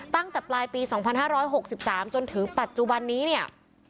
ตั้งแต่ปลายปี๒๕๖๓จนถึงปัจจุบันนี้เนี่ย